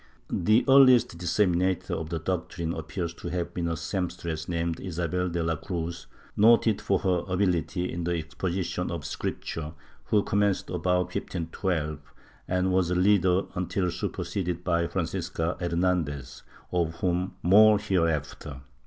The earliest disseminator of the doctrine appears to have been a semp stress named Isabel de la Cruz, noted for her ability in the expo sition of Scripture, who commenced about 1512 and was a leader imtil superseded by Francisca Hernandez, of whom more here after.